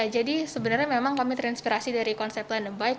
jadi sebenarnya memang kami terinspirasi dari konsep land of bike